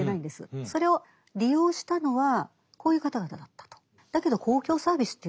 それを利用したのはこういう方々だったと。